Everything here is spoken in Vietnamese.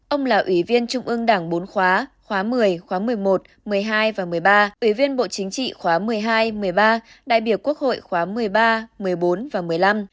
ông là ủy viên trung ương đảng bốn khóa khóa một mươi khóa một mươi một một mươi hai và một mươi ba ủy viên bộ chính trị khóa một mươi hai một mươi ba đại biểu quốc hội khóa một mươi ba một mươi bốn và một mươi năm